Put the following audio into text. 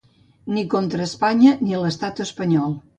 Ni contra Espanya ni l’estat espanyol.